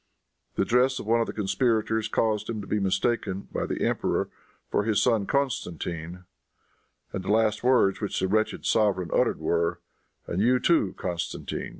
The dress of one of the conspirators caused him to be mistaken, by the emperor, for his son Constantine, and the last words which the wretched sovereign uttered were, "And you too, Constantine."